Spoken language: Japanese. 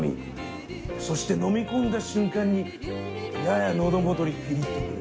そしてのみ込んだ瞬間にややのど元にピリッとくる。